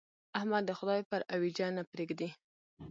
احمد د خدای پر اوېجه نه پرېږدي.